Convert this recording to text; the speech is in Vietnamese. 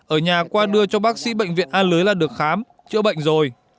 ở nhà qua đưa cho bác sĩ bệnh viện a lưới là được khám chữa bệnh rồi